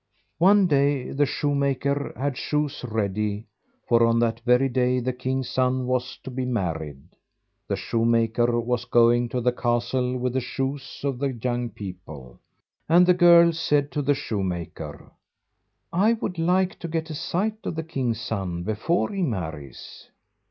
One day, the shoemaker had shoes ready, for on that very day the king's son was to be married. The shoemaker was going to the castle with the shoes of the young people, and the girl said to the shoemaker, "I would like to get a sight of the king's son before he marries."